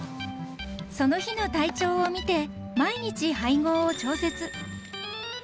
［その日の体調をみて毎日配合を調節］